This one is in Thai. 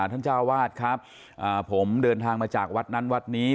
ท่านเจ้าวาดครับผมเดินทางมาจากวัดนั้นวัดนี้